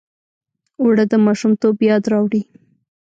اوړه د ماشومتوب یاد راوړي